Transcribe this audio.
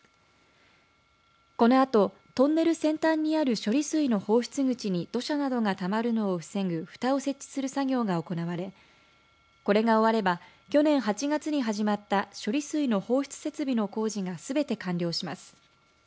このあとトンネル先端にある処理水の放出口に土砂などがたまるのを防ぐふたを設置する作業が行われこれが終われば去年８月に始まった処理水の放出設備の工事がすべて完了します。